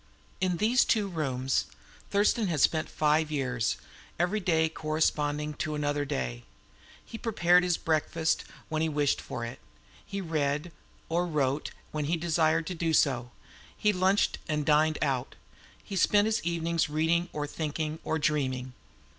In these two rooms Thurston had spent five years, every day corresponding to another day. He prepared his own breakfast when he wished for it; he read or wrote when he desired to do so; he lunched and dined out; he spent his evenings reading or thinking or dreaming.